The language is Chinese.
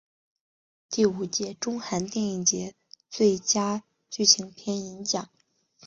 第五届中韩电影节最佳剧情片银奖。